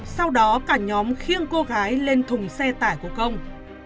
sau đó cả nhóm khiêng cô gái lên thùng xe tải của công